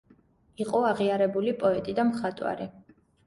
იყო აღიარებული პოეტი და მხატვარი.